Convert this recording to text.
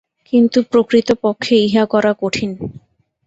কিন্তু প্রকৃতপক্ষে ইহা করা কঠিন।